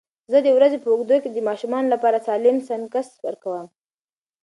زه د ورځې په اوږدو کې د ماشومانو لپاره سالم سنکس ورکوم.